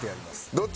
どっち？